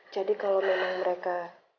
jadi kalo memang mereka